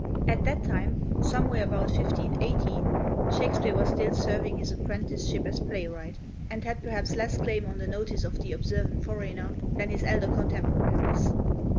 At that time somewhere about 1580 Shakespeare was still serving his apprenticeship as playwright, and had perhaps less claim on the notice of the observant foreigner than his elder contemporaries.